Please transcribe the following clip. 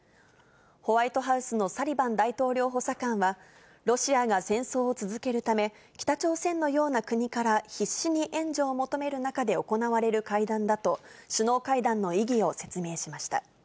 ホワイトハウスのサリバン大統領補佐官は、ロシアが戦争を続けるため、北朝鮮のような国から、必死に援助を求める中で行われる会談だと、首脳会談の意義を説明しました。